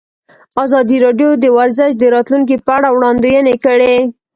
ازادي راډیو د ورزش د راتلونکې په اړه وړاندوینې کړې.